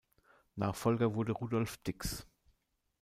Nachfolger wurde Rudolf Dix.